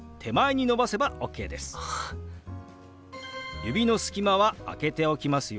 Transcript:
指の隙間は空けておきますよ